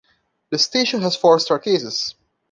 The station has four staircases.